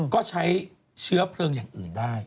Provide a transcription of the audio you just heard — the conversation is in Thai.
ก็ใช้เชื้อเพลิงอย่างอื่นได้